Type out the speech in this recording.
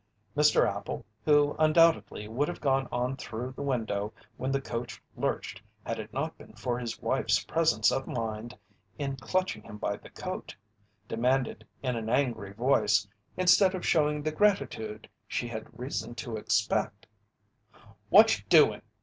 Mr. Appel, who undoubtedly would have gone on through the window when the coach lurched had it not been for his wife's presence of mind in clutching him by the coat, demanded in an angry voice instead of showing the gratitude she had reason to expect: "Whatch you doin'?